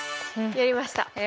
やりました。